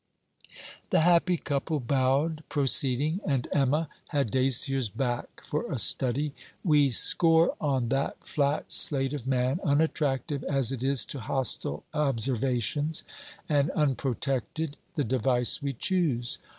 The happy couple bowed, proceeding; and Emma had Dacier's back for a study. We score on that flat slate of man, unattractive as it is to hostile observations, and unprotected, the device we choose.